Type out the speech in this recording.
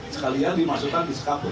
sekalian dimasukkan di sekapun